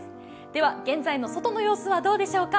では現在の外の様子はどうでしょうか？